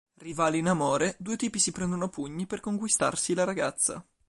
Rivali in amore, due tipi si prendono a pugni per conquistarsi la ragazza.